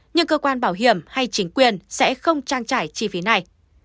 nhưng cơ quan bảo hiểm hay chính quyền sẽ không trang trải chi phí này